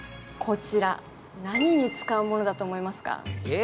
こちら、何に使うものだと思いますか？